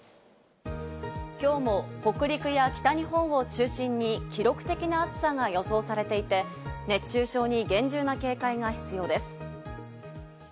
きょうも北陸や北日本を中心に記録的な暑さが予想されていて、熱中症に厳重な警戒が必要です。